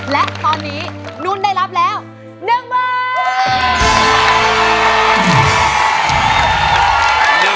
และตอนนี้นุ้นได้รับแล้ว๑เบอร์